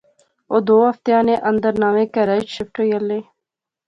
اوہ دو ہفتیاں نے اندر نویں کہراچ شفٹ ہوئی الے